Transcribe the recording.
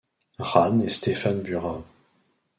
Ranne et Stéphane Bura.